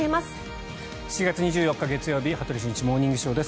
７月２４日、月曜日「羽鳥慎一モーニングショー」。